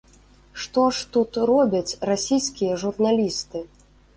Што ж тут робяць расійскія журналісты?